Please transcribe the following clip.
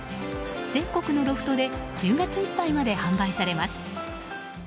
全国のロフトで１０月いっぱいまで販売されます。